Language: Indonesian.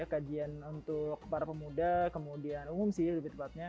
kajian untuk para pemuda kemudian umum sih lebih tepatnya